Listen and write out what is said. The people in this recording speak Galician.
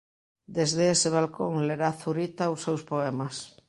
Desde ese balcón lerá Zurita os seus poemas.